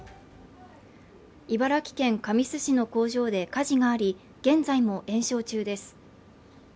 茨城県神栖市の工場で火事があり現在も延焼中です